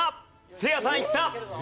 せいやさんいった。